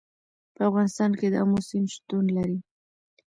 په افغانستان کې د آمو سیند شتون لري.